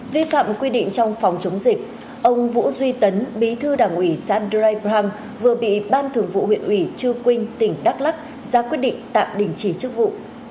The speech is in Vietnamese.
vi phạm quy định trong phòng chống dịch ông vũ duy tấn bí thư đảng ủy xã draypram vừa bị ban thường vụ huyện ủy chư quynh tỉnh đắk lắc ra quyết định tạm đình chỉ chức vụ